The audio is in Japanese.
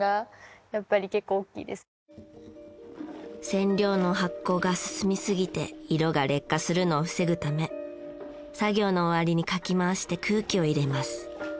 染料の発酵が進みすぎて色が劣化するのを防ぐため作業の終わりにかき回して空気を入れます。